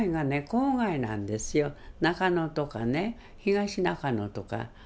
郊外なんですよ中野とかね東中野とか。